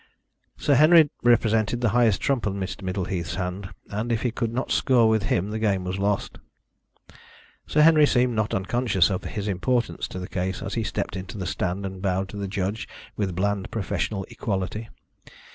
Sir Henry represented the highest trump in Mr. Middleheath's hand, and if he could not score with him the game was lost. Sir Henry seemed not unconscious of his importance to the case as he stepped into the stand and bowed to the judge with bland professional equality.